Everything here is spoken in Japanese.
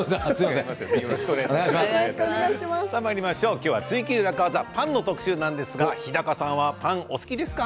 今日は「ツイＱ楽ワザ」パンの特集なんですが日高さんはパンお好きですか。